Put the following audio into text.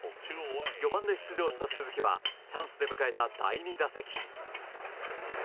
４番で出場した鈴木はチャンスで迎えた第２打席。